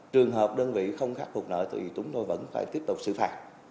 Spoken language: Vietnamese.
trường hợp đơn vị không khắc phục nợ thì chúng tôi vẫn phải tiếp tục xử phạt